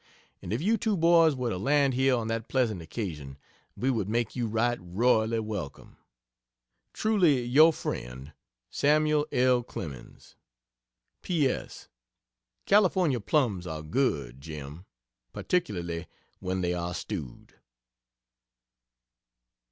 And if you two boys were to land here on that pleasant occasion, we would make you right royally welcome. Truly your friend, SAML L. CLEMENS. P. S. "California plums are good, Jim particularly when they are stewed."